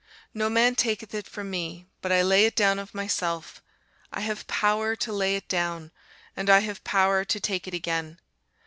No man taketh it from me, but I lay it down of myself. I have power to lay it down, and I have power to take it again.